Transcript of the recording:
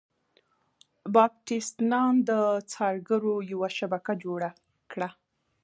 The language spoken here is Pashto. باپټیست نان د څارګرو یوه شبکه جوړه کړه.